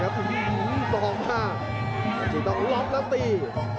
ถูกต้องล๊อคแล้วตี